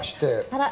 あら。